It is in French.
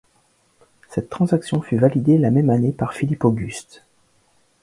Cette transaction fut validée la même année par Philippe-Auguste.